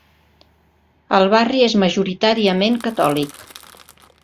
El barri és majoritàriament catòlic.